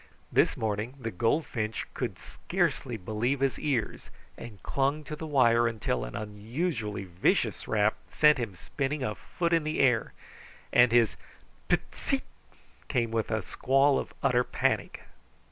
This morning the goldfinch scarcely could believe his ears, and clung to the wire until an unusually vicious rap sent him spinning a foot in air, and his "PTSEET" came with a squall of utter panic.